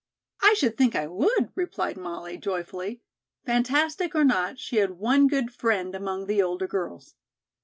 "I should think I would," replied Molly, joyfully. Fantastic, or not, she had one good friend among the older girls.